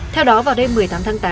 theo đó vào đêm một mươi tám tháng tám